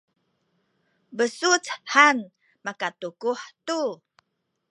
besuc han makatukuh tu